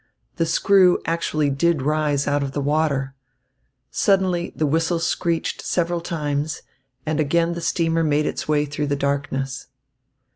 The screw actually did rise out of the water. Suddenly the whistle screeched several times, and again the steamer made its way through the darkness.